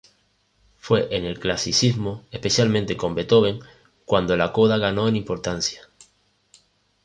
Fue en el Clasicismo, especialmente con Beethoven, cuando la coda ganó en importancia.